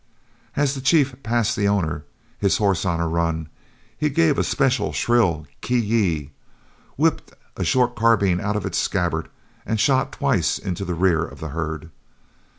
"As the chief passed the owner, his horse on a run, he gave a special shrill 'ki yi,' whipped a short carbine out of its scabbard, and shot twice into the rear of the herd.